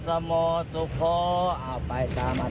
สัมปเวศีวิญญาณเล่ลอนทั้งหลาย